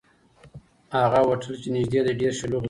هغه هوټل چې نږدې دی، ډېر شلوغ دی.